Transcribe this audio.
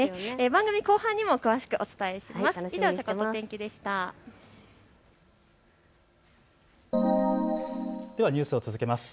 番組後半にも詳しくお伝えします。